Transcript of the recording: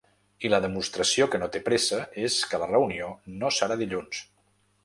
I la demostració que no té pressa és que la reunió no serà dilluns.